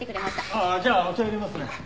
ああじゃあお茶入れますね。